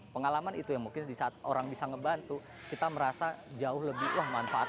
pengalaman itu ya mungkin di saat orang bisa membantu kita merasa jauh lebih manfaat